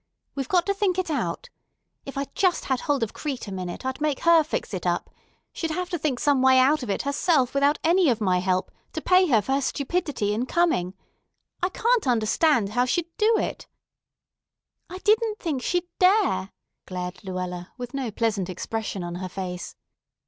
We've got to think it out. If I just had hold of Crete a minute, I'd make her fix it up. She'd have to think some way out of it herself without any of my help, to pay her for her stupidity in coming. I can't understand how she'd do it." "I didn't think she'd dare!" glared Luella with no pleasant expression on her face.